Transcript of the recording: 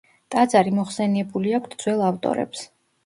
ტაძარი მოხსენიებული აქვთ ძველ ავტორებს.